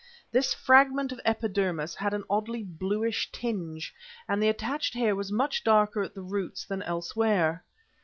This fragment of epidermis had an odd bluish tinge, and the attached hair was much darker at the roots than elsewhere.